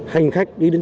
hành khách đi đường